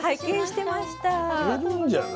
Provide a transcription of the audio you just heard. いけるんじゃない？